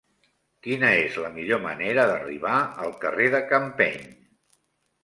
Quina és la millor manera d'arribar al carrer de Campeny?